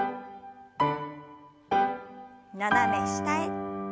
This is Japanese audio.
斜め下へ。